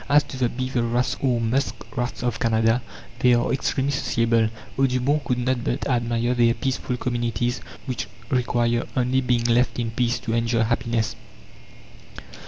As to the beaver rats or musk rats of Canada, they are extremely sociable. Audubon could not but admire "their peaceful communities, which require only being left in peace to enjoy happiness."